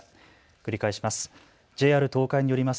繰り返します。